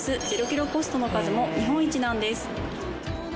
０キロポストの数も日本一なんです。